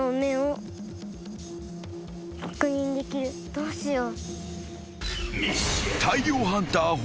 どうしよう？